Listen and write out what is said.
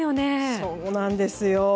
そうなんですよ。